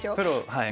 はい。